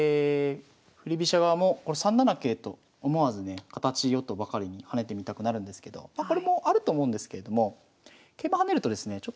振り飛車側もこれ３七桂と思わずね形よとばかりに跳ねてみたくなるんですけどこれもあると思うんですけれども桂馬跳ねるとですね